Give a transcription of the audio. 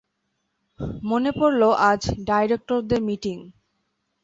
মনে পড়ল আজ ডাইরেক্টরদের মীটিং।